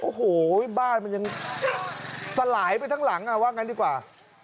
โอ้โหบ้านมันยังสลายไปทั้งหลังว่างั้นดีกว่า